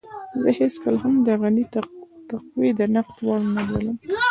زه هېڅکله هم د غني تقوی د نقد وړ نه بولم.